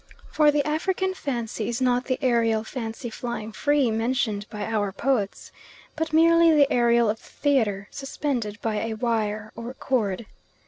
For the African fancy is not the "aerial fancy flying free," mentioned by our poets, but merely the aerial of the theatre suspended by a wire or cord.